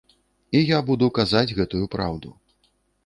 І я буду казаць гэтую праўду.